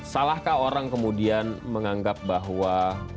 salahkah orang kemudian menganggap bahwa